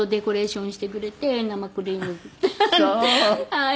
はい。